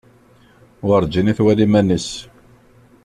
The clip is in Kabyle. Werǧin i twala iman-is.